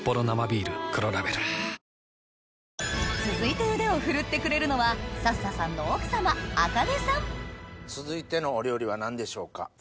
続いて腕を振るってくれるのは続いてのお料理は何でしょうか？